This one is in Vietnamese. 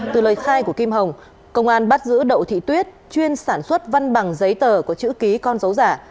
từ lời khai của kim hồng công an bắt giữ đậu thị tuyết chuyên sản xuất văn bằng giấy tờ có chữ ký con dấu giả